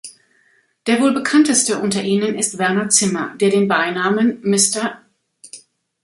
Der wohl bekannteste unter ihnen ist Werner Zimmer, der den Beinamen „Mr.